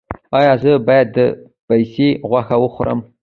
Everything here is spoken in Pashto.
ایا زه باید د پسې غوښه وخورم؟